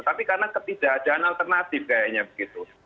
tapi karena ketidakadaan alternatif kayaknya begitu